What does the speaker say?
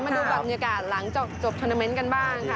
มาดูบรรยากาศหลังจากจบทวนาเมนต์กันบ้างค่ะ